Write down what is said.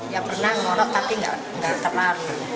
ya pernah ngorok tapi nggak terlalu